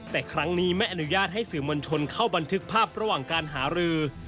แต่ครั้งนี้ไม่อนุญาตให้สื่อมวลชนเข้าบันทึกภาพระหว่างการหารือ